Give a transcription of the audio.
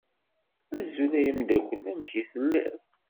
Azul a ameddakel. Amek tellid?